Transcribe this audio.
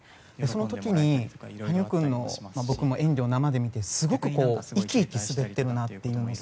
その時に、羽生君の演技を僕も生で見てすごく生き生き滑ってるなっていうのを